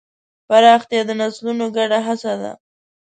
پراختیا د نسلونو ګډه هڅه ده.